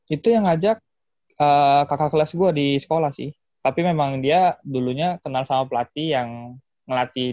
itu yang ngajak kakak kelas gue di sekolah sih tapi memang dia dulunya kenal sama pelatih yang ngelatih dia itu